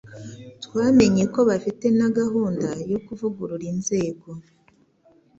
twamenye ko bafite na gahunda yo kuvugurura inzego